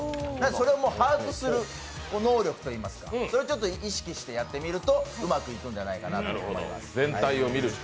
それを把握する能力と言いますか、それを意識してやってみるとうまくいくんじゃないかなと思います。